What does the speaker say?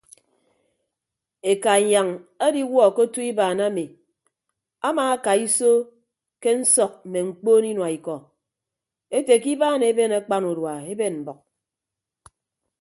Eka inyañ ediwuọ ke otu ibaan ami amaakaiso ke nsọk mme mkpoon inua ikọ ete ke ibaan eben akpan udua eben mbʌk.